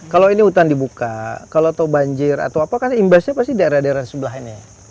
kalau ini hutan dibuka kalau tau banjir atau apa kan imbasnya pasti daerah daerah sebelah ini